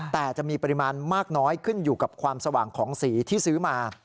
แต่จะมีปริมาณมากน้อยขึ้นอยู่กับความสว่างของสีที่ซื้อมา